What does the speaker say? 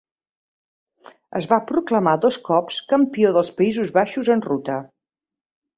Es va proclamar dos cops Campió dels Països Baixos en ruta.